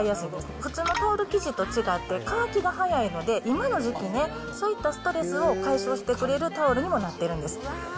普通のタオル生地と違って乾きが速いので、今の時期ね、そういったストレスを解消してくれるタオルにもなってるんです。